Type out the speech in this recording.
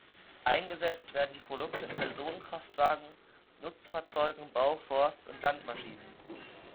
Eingesetzt werden die Produkte in Personenkraftwagen, Nutzfahrzeugen, Bau-, Forst- und Landmaschinen.